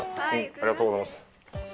ありがとうございます。